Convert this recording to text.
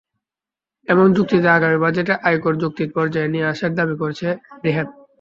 এমন যুক্তিতে আগামী বাজেটে আয়কর যৌক্তিক পর্যায়ে নিয়ে আসার দাবি করছে রিহ্যাব।